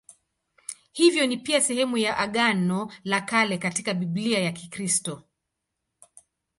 Hivyo ni pia sehemu ya Agano la Kale katika Biblia ya Kikristo.